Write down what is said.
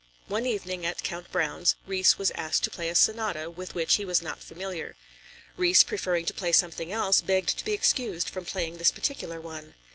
One evening at Count Browne's, Ries was asked to play a sonata with which he was not familiar. Ries preferring to play something else, begged to be excused from playing this particular one.